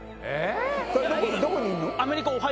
どこにいんの？